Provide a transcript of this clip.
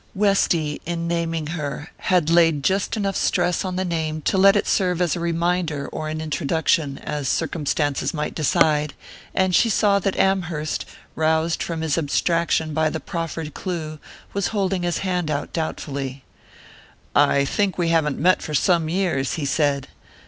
Westy, in naming her, had laid just enough stress on the name to let it serve as a reminder or an introduction, as circumstances might decide, and she saw that Amherst, roused from his abstraction by the proffered clue, was holding his hand out doubtfully. "I think we haven't met for some years," he said.